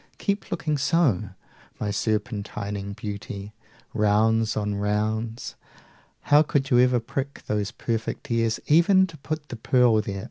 keep looking so 25 My serpentining beauty, rounds on rounds! How could you ever prick those perfect ears, Even to put the pearl there!